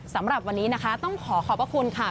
สำหรับวันนี้นะคะต้องขอขอบพระคุณค่ะ